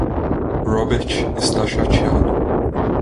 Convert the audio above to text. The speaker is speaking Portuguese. Robert está chateado.